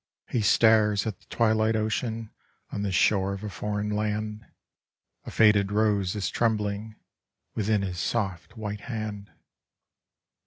.1 He stares at the twilight ocean on the shore of a foreign land, a faded rose is trembling within his soft white hand.